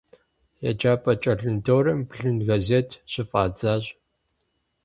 Еджапӏэ кӏэлындорым блын газет щыфӏэдзащ.